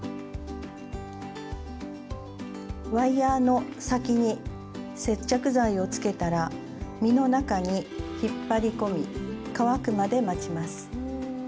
ワイヤーの先に接着剤をつけたら実の中に引っ張り込み乾くまで待ちます。